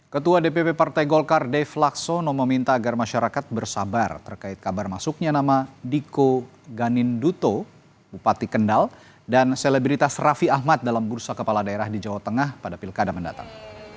ketua dpp partai golkar dave laksono meminta agar masyarakat bersabar terkait kabar masuknya nama diko ganin duto bupati kendal dan selebritas raffi ahmad dalam bursa kepala daerah di jawa tengah pada pilkada mendatang